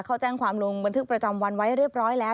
เขาแจ้งความลงบันทึกประจำวันไว้เรียบร้อยแล้ว